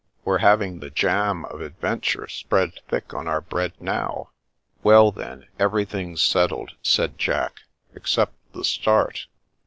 " We're having the jam of adventure spread thick on our bread now." "Well, then, everything's settled," said Jack, "except the start."